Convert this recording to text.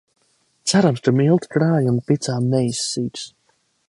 Cerams, ka miltu krājumi picām neizsīks.